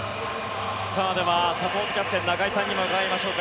ではサポートキャプテン中居さんにも伺いましょうか。